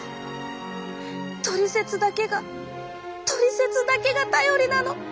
「トリセツ」だけが「トリセツ」だけが頼りなの。